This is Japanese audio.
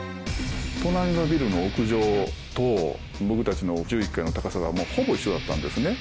隣のビルの屋上と僕たちの１１階の高さがほぼ一緒だったんですね。